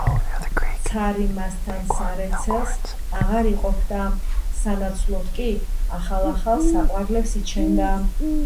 ცარი მასთან სარეცელს აღარ იყოფდა, სანაცვლოდ კი ახალ-ახალ საყვარლებს იჩენდა.